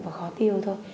và khó tiêu thôi